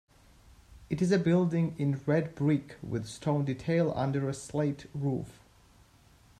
It is a building in red brick with stone detail under a slate roof.